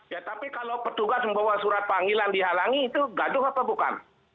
ya tapi kalau petugas membawa surat panggilan dihalangi itu gaduh apa bukan